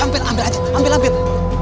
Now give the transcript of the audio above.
ambil ambil aja ambil ambil